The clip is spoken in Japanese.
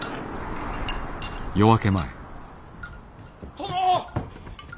殿！